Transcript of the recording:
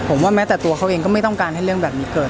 ผมว่าแม้แต่ตัวเขาเองก็ไม่ต้องการให้เรื่องแบบนี้เกิด